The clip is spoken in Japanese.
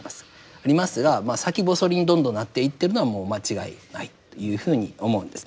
ありますがまあ先細りにどんどんなっていってるのはもう間違いないというふうに思うんですね。